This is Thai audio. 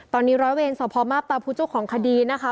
ตอนนี้ร้อยเวรสภพมาปประผู้เจ้าของคดีนะคะ